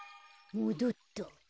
もどった。